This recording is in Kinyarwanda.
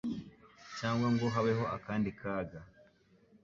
cyangwa ngo habeho akandi kaga.